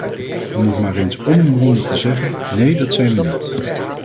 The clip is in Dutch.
Om het maar eens onomwonden te zeggen: nee, dat zijn we niet!